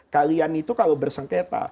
kalian itu kalau bersengketa